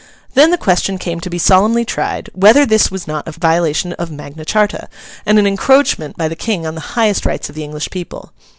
Then the question came to be solemnly tried, whether this was not a violation of Magna Charta, and an encroachment by the King on the highest rights of the English people.